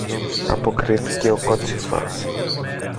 αποκρίθηκε ο κότσυφας.